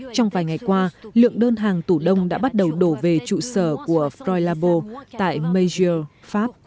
trong vài ngày qua lượng đơn hàng tủ đông đã bắt đầu đổ về trụ sở của froy labo tạimagier pháp